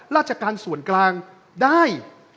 ราชการส่วนกลางได้